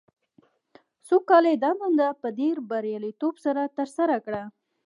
څو کاله یې دا دنده په ډېر بریالیتوب سره ترسره کړه.